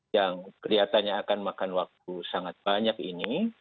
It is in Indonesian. yang kelihatannya akan makan waktu sangat banyak ini